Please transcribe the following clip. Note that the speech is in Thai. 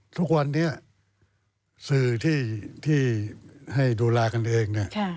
ทุกวันนี้สื่อที่ดุลากันเอง